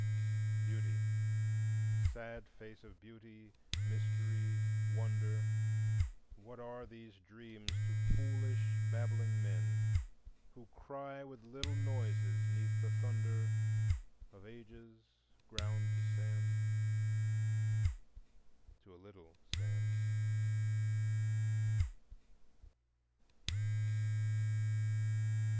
Beauty, sad face of Beauty, Mystery, Wonder, What are these dreams to foolish babbling men Who cry with little noises 'neath the thunder Of Ages ground to sand, To a little sand.